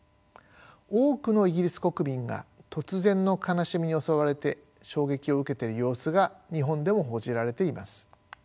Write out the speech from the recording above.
多くのイギリス国民が突然の悲しみに襲われて衝撃を受けている様子が日本でも報じられています。